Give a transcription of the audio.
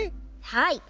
はい。